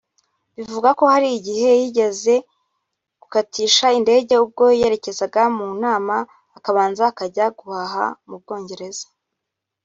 Bivugwa ko hari igihe yigeze gukatisha indege ubwo yerekezaga mu nama akabanza akajya guhaha mu Bwongereza